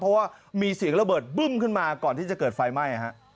เพราะว่ามีเสียงระเบิดบึ้มขึ้นมาก่อนที่จะเกิดไฟไหม้ฮะ